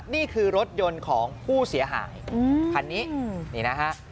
นี่คือรถยนต์ของผู้เสียหายคันนี้นี่นะฮะ